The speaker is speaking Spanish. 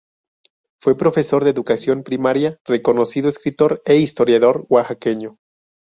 Fue profesor de educación primaria, reconocido escritor e historiador oaxaqueño.